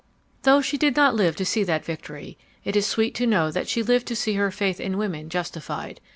"Though she did not live to see that victory, it is sweet to know that she lived to see her faith in women justified.